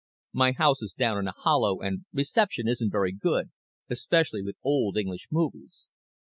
My house is down in a hollow and reception isn't very good, especially with old English movies.